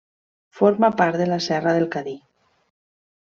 Forma part de la Serra del Cadí.